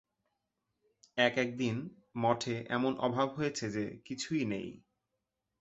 এক একদিন মঠে এমন অভাব হয়েছে যে, কিছুই নেই।